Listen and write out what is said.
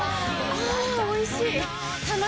あぁおいしい！